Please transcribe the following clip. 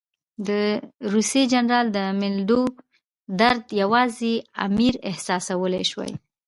د روسي جنرال د ملنډو درد یوازې امیر احساسولای شوای.